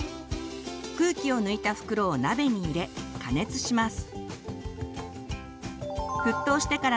空気を抜いた袋を鍋に入れ加熱します。